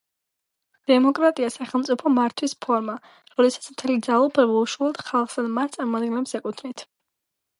დემოკრატია სახელმწიფო მართვის ფორმა, როდესაც მთელი ძალაუფლება უშუალოდ ხალხს ან მათ წარმომადგენლებს ეკუთვნით.